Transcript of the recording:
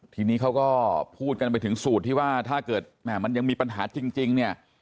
ทีนี้เขาก็พูดกันไปถึงสูตรที่ว่าถ้าเกิดมันยังมีปัญหาจริงเนี่ย